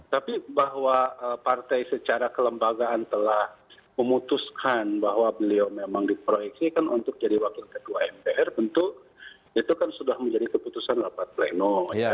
tapi bahwa partai secara kelembagaan telah memutuskan bahwa beliau memang diproyeksikan untuk jadi wakil ketua mpr tentu itu kan sudah menjadi keputusan rapat pleno